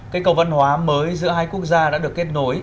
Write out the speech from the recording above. cây cầu văn hóa mới giữa hai quốc gia đã được kết nối